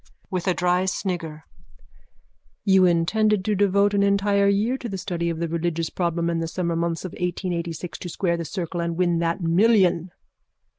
(With a dry snigger.) You intended to devote an entire year to the study of the religious problem and the summer months of 1886 to square the circle and win that million.